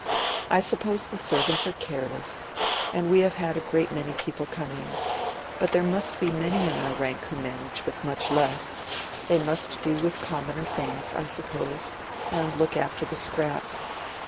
I suppose the servants are careless, and we have had a great many people coming. But there must be many in our rank who manage with much less: they must do with commoner things, I suppose, and look after the scraps.